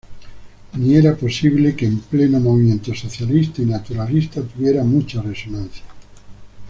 Ni era posible que en pleno movimiento socialista y naturalista tuviera mucha resonancia.